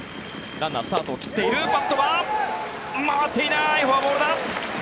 ランナー、スタートを切っているバットは回っていないフォアボールだ。